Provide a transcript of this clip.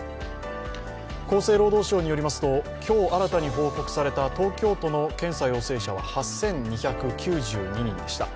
厚生労働省によりますと、今日新たに報告された東京都の検査陽性者は８２９２人でした。